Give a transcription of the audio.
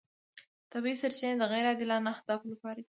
طبیعي سرچینې د غیر عادلانه اهدافو لپاره دي.